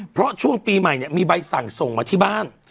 เพราะช่วงปีใหม่เนี่ยมีใบสั่งส่งมาที่บ้าน